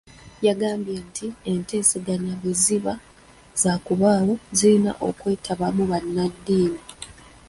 Yagambye nti enteeseganya bwe ziba zaakubaawo zirina okwetabamu bannaddiini.